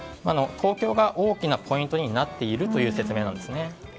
東京が大きなポイントになっているという説明なんですね。